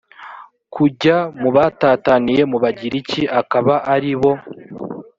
kujya mu batataniye mu bagiriki akaba ari bo